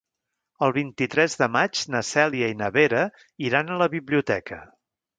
El vint-i-tres de maig na Cèlia i na Vera iran a la biblioteca.